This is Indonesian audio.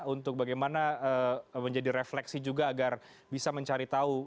untuk bagaimana menjadi refleksi juga agar bisa mencari tahu